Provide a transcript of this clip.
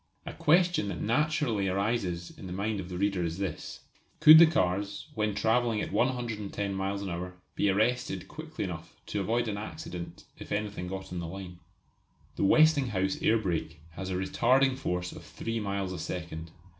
A question that naturally arises in the mind of the reader is this: could the cars, when travelling at 110 miles an hour, be arrested quickly enough to avoid an accident if anything got on the line? The Westinghouse air brake has a retarding force of three miles a second.